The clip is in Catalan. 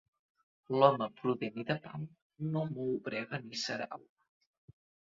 L'home prudent i de pau no mou brega ni sarau.